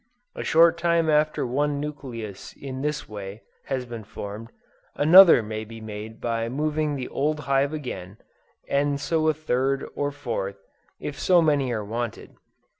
A short time after one nucleus has in this way, been formed, another may be made by moving the old hive again, and so a third or fourth, if so many are wanted.